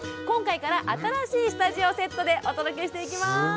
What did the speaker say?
今回から新しいスタジオセットでお届けしていきます。